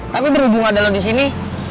tapi berhubung ada lo di sini